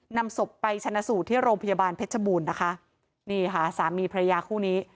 นำศพไปชนะสูตรที่โรงพยาบาลเพชรบูรณ์นะคะนี่ค่ะสามีพระยาคู่นี้